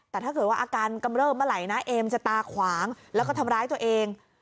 แต่ถ้าเกิดว่าอาการกำเริบเมื่อไหร่นะเอมจะตาขวางแล้วก็ทำร้ายตัวเอง